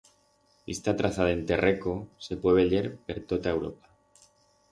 Ista traza d'enterreco se puet veyer per tota Europa.